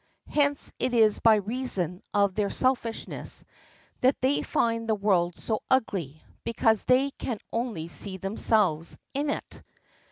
Hence it is by reason of their selfishness that they find the world so ugly, because they can only see themselves in it.